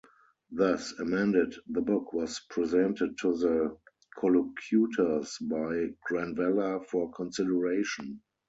Thus emended, the "Book" was presented to the collocutors by Granvella for consideration.